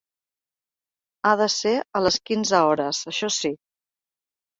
Ha de ser a les quinze hores, això sí.